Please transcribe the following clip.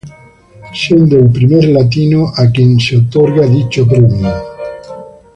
Siendo el primer latino a quien es otorgado dicho premio.